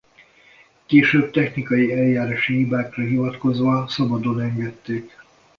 Később technikai eljárási hibákra hivatkozva szabadon engedték.